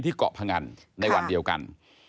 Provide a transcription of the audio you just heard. ที่เกาะพงัฒณ์ในวันเดียวกัน